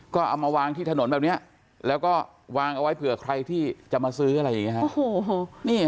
ก็เอามาวางที่ถนนแบบนี้แล้วก็วางเอาไว้เผื่อใครที่จะมาซื้ออะไรอย่างนี้ฮะ